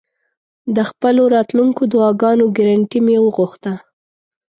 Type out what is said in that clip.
د خپلو راتلونکو دعاګانو ګرنټي مې وغوښته.